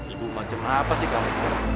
ibu macam apa sih kamu